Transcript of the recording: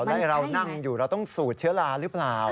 แล้วเรานั่งอยู่เราต้องสูดเชื้อลาหรือเปล่า